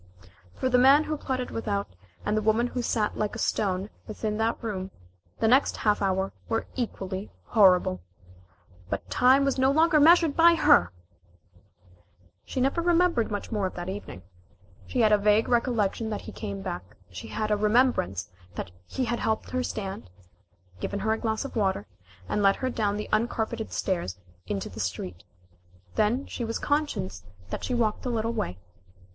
For the man who plotted without, and the woman who sat like a stone within that room, the next half hour were equally horrible. But time was no longer measured by her! She never remembered much more of that evening. She had a vague recollection that he came back. She had a remembrance that he had helped her stand given her a glass of water and led her down the uncarpeted stairs out into the street. Then she was conscious that she walked a little way.